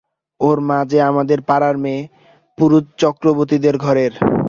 ওর মা যে আমাদের পাড়ার মেয়ে, পুরুত চক্রবর্তীদের ঘরের।